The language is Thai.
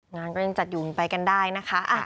งานก็ยังจัดอยู่ไปกันได้นะคะ